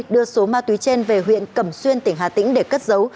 đưa số ma túy trên về huyện cẩm xuyên tỉnh hà tĩnh để cất giấu